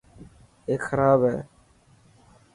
اي کراب هي.